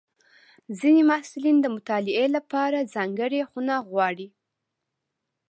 ځینې محصلین د مطالعې لپاره ځانګړې خونه غواړي.